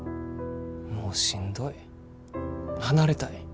もうしんどい離れたい。